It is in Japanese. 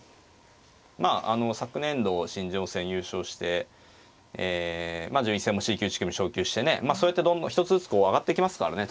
まあ昨年度新人王戦優勝して順位戦もＣ級１組昇級してねそうやって１つずつこう上がっていきますからね。